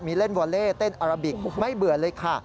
มีเล่นวอเล่เต้นอาราบิกไม่เบื่อเลยค่ะ